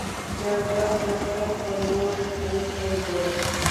جانداد د خیر په لور تلونکی دی.